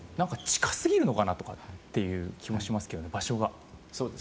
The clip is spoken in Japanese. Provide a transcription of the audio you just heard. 近すぎるのかなという気もしますけど、場所が。